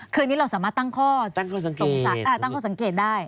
คืออันนี้เราสามารถตั้งข้อตั้งข้อสังเกตได้